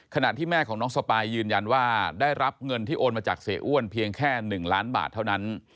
ขณะที่แม่ของน้องสปายยืนยันว่าได้รับเงินที่โอนมาจากเสียอ้วนเพียงแค่๑ล้านบาทเท่านั้น